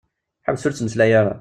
Ḥbes ur ttmeslay ara.